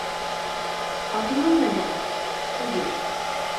Ҡатыным менән... түгел!